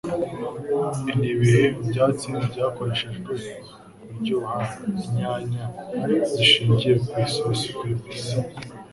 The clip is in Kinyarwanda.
Nibihe Byatsi Byakoreshejwe Kuryoha Inyanya Zishingiye ku Isosi Kuri Pizza